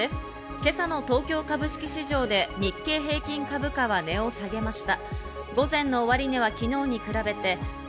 今朝の東京株式市場で日経平均株価は値を下げました。